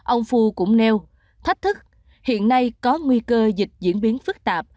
ông phu cũng nêu thách thức hiện nay có nguy cơ dịch diễn biến phức tạp